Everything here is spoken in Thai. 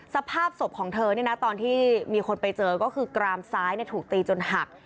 สภาพศพของเธอตอนที่มีคนไปเจอก็คือกรามซ้ายถูกตีจนหัก